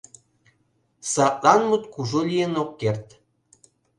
Садлан мут кужу лийын ок керт.